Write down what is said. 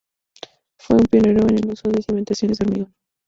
Fue un pionero en el uso de cimentaciones de hormigón.